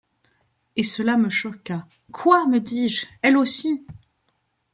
Et cela me choqua : -Quoi ! me dis-je, elle aussi !